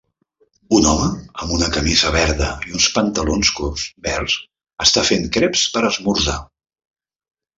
Un home amb una camisa verda i uns pantalons curts verds està fent creps per esmorzar.